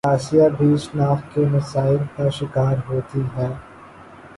آسیہ بھی شناخت کے مسائل کا شکار ہوتی ہے